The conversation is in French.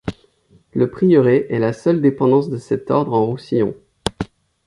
Le prieuré est la seule dépendance de cet ordre en Roussillon.